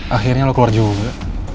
akhirnya lo keluar juga